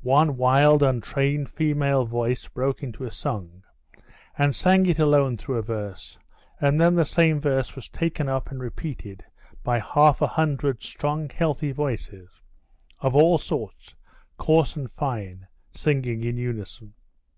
One wild untrained female voice broke into a song, and sang it alone through a verse, and then the same verse was taken up and repeated by half a hundred strong healthy voices, of all sorts, coarse and fine, singing in unison.